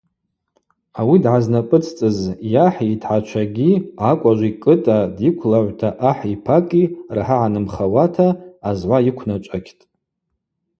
Ауи дгӏазнапӏыцӏцӏыз йахӏгьи йтгӏачвагьи, акӏважви Кӏытӏа дйыквлагӏвта ахӏ йпакӏи рахӏа гӏанымхахуата, азгӏва йыквначӏвакьтӏ.